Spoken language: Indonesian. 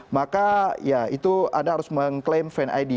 maka ya itu anda harus mengklaim fan id